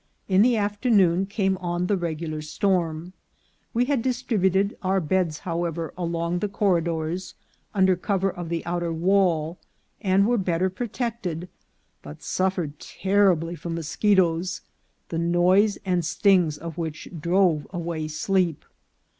In the afternoon came on the regular storm. We had distributed our beds, however, along the corridors, under cover of the outer wall, and were better protected, but suffered terribly from mosche toes, the noise and stings of which drove away sleep.